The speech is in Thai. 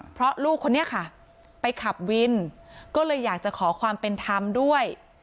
เพราะลูกคนนี้ค่ะไปขับวินก็เลยอยากจะขอความเป็นธรรมด้วย